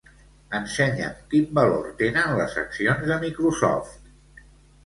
Ensenya'm quin valor tenen les accions de Microsoft.